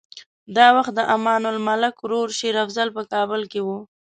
دا وخت د امان الملک ورور شېر افضل په کابل کې و.